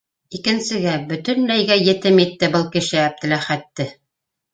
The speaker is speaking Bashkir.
Икенсегә, бөтөнләйгә етем итте был кеше Әптеләхәт ге...